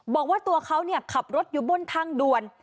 บอกว่าตัวเขาขับรถอยู่บนทางด่วน